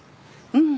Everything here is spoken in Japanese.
うん。